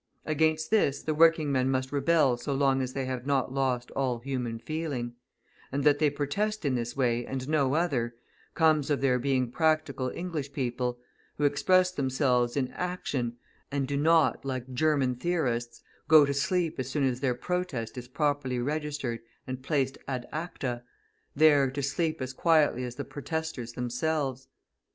Against this the working men must rebel so long as they have not lost all human feeling, and that they protest in this way and no other, comes of their being practical English people, who express themselves in action, and do not, like German theorists, go to sleep as soon as their protest is properly registered and placed ad acta, there to sleep as quietly as the protesters themselves.